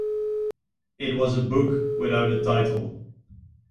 It was a book without a title.